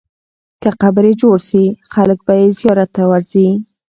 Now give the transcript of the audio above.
که قبر یې جوړ سي، خلک به یې زیارت ته ورځي.